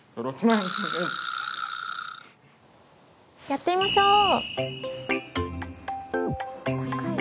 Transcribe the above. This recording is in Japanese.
やってみましょう！